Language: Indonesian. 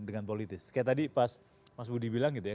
dengan politis kayak tadi pas mas budi bilang gitu ya